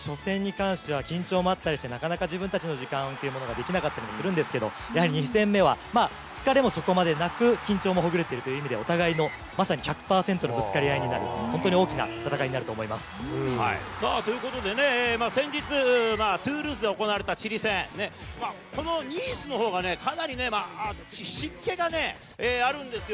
そうですね、やはり初戦に関しては、緊張もあったりして、なかなか自分たちの時間というものができなかったりするんですけど、やはり２戦目は疲れもそこまでなく、緊張もほぐれているという意味で、お互いのまさに１００％のぶつかり合いになる、本当にということでね、先日、トゥールーズで行われたこのニースのほうがね、かなり湿気があるんですよ。